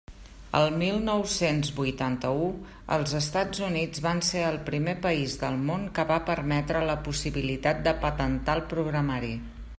El mil nou-cents vuitanta-u, els Estats Units van ser el primer país del món que va permetre la possibilitat de patentar el programari.